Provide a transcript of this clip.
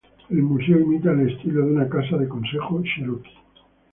El museo imita el estilo de una casa de consejo cheroqui.